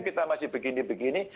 kita masih begini begini